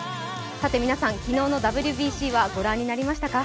皆さん、昨日のＷＢＣはご覧になりましたか。